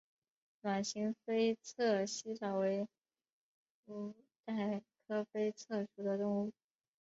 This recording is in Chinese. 卵形菲策吸虫为腹袋科菲策属的动物。